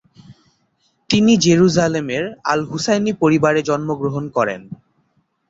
তিনি জেরুসালেমের আল-হুসাইনি পরিবারে জন্মগ্রহণ করেন।